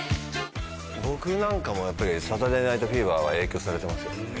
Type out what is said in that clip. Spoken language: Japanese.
僕なんかもやっぱり『サタデー・ナイト・フィーバー』は影響されてますよ。